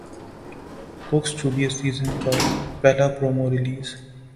کوک Studio season کا پہلا promo release